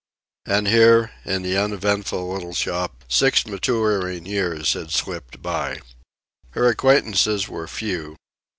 And here, in the uneventful little shop, six maturing years had slipped by. Her acquaintances were few.